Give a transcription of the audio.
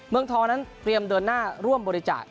เมืองทองนั้นเตรียมเดินหน้าร่วมบริจาค